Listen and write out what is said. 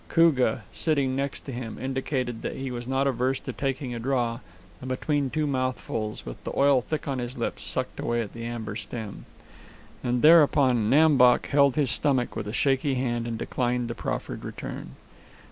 Koogah, sitting next to him, indicated that he was not averse to taking a draw, and between two mouthfuls, with the oil thick on his lips, sucked away at the amber stem. And thereupon Nam Bok held his stomach with a shaky hand and declined the proffered return.